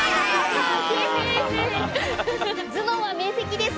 頭脳は明晰です。